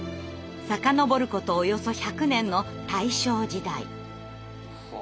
遡ることおよそ１００年の大正時代。